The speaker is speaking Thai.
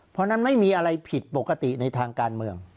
เพราะฉะนั้นไม่มีอะไรผิดปกติในทางการเมือง